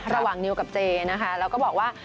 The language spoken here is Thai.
ระหว่างนิวกับเจนะคะแล้วก็บอกว่า